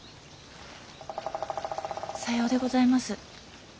さようでございます。